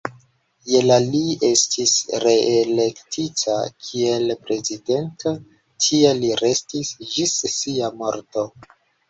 Je la li estis reelektita kiel prezidento; tia li restis ĝis sia morto.